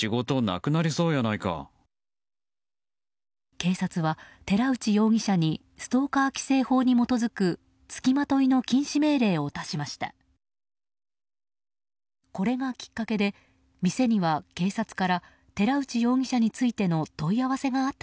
警察は寺内容疑者にストーカー規制法に基づくつきまといの禁止命令を出しました。